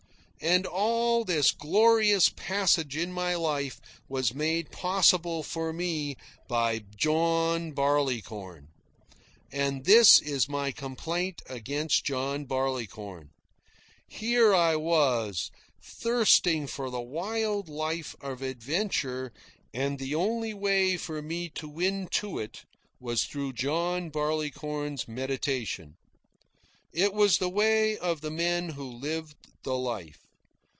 And all this glorious passage in my life was made possible for me by John Barleycorn. And this is my complaint against John Barleycorn. Here I was, thirsting for the wild life of adventure, and the only way for me to win to it was through John Barleycorn's mediation. It was the way of the men who lived the life.